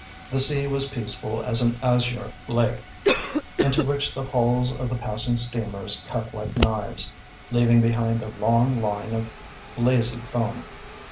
The sea was peaceful as an azure lake into which the hulls of the passing steamers cut like knives, leaving behind a long line of lazy foam.